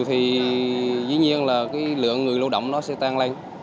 thì dĩ nhiên là cái lượng người lâu động nó sẽ tan lên